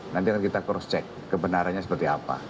nanti akan kita cross check kebenarannya seperti apa